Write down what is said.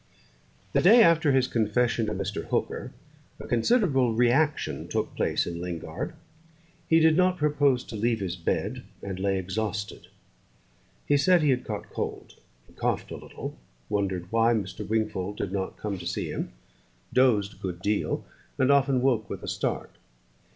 The day after his confession to Mr. Hooker, a considerable re action took place in Lingard. He did not propose to leave his bed, and lay exhausted. He said he had caught cold. He coughed a little; wondered why Mr. Wingfold did not come to see him, dozed a good deal, and often woke with a start.